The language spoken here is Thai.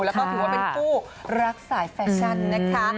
แล้วก็ถือว่าเป็นคู่รักสายแฟชั่นนะคะ